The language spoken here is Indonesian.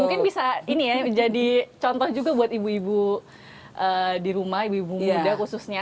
ini bisa contoh juga buat ibu ibu di rumah ibu ibu muda khususnya